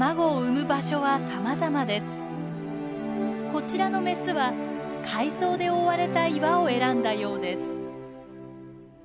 こちらのメスは海藻で覆われた岩を選んだようです。